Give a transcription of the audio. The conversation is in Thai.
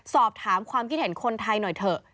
สอบถามความคิดเห็นคนไทยหน่อยเถอะ